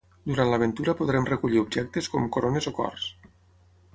Durant l'aventura podrem recollir objectes com corones o cors.